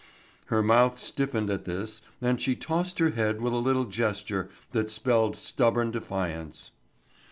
Her mouth stiffened at this and she tossed her head with a little gesture that spelled stubborn defiance.